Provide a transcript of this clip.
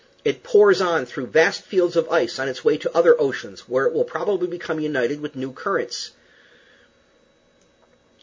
It pours on through vast fields of ice on its way to other oceans, where it will probably become united with new currents.